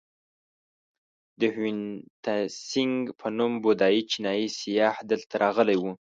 د هیونتسینګ په نوم بودایي چینایي سیاح دلته راغلی و.